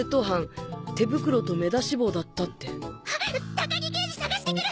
高木刑事捜して来る！